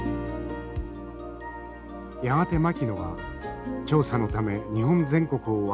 やがて牧野は調査のため日本全国を渡り歩きます。